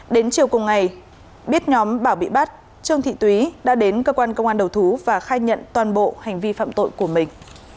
đến chiều cùng ngày biết nhóm bảo bị bắt trương thị túy đã đến cơ quan công an đầu thú và khai nhận toàn bộ hành vi phạm tội của mình